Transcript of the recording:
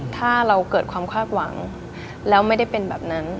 ถ้าเราเกิดความคาดหวังแล้วไม่ได้เป็นแบบนั้น